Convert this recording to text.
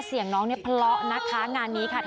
เสียงน้องเนี่ยเพราะนะคะงานนี้ค่ะ